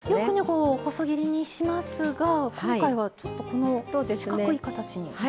よく細切りにしますが今回はちょっと四角い形に。